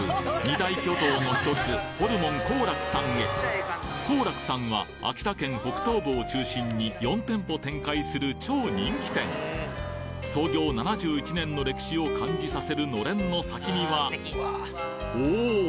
２大巨頭の１つ幸楽さんは秋田県北東部を中心に４店舗展開する超人気店創業７１年の歴史を感じさせるのれんの先にはおお！